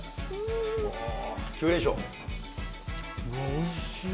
おいしい！